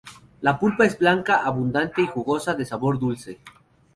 La pulpa es blanca, abundante y jugosa, de sabor dulce.